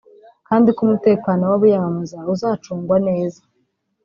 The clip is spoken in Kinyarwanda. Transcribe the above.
kandi ko umutekano w’abiyamamaza uzacungwa neza